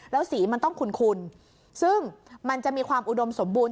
แล้วสีมันต้องคุ้นซึ่งมันจะมีความอุดมสมบูรณ